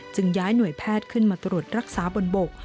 ย้ายหน่วยแพทย์ขึ้นมาตรวจรักษาบนบก